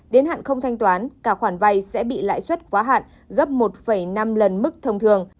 đến hạn không thanh toán cả khoản vay sẽ bị lãi suất quá hạn gấp một năm lần mức thông thường